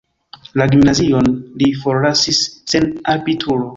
La gimnazion li forlasis sen abituro.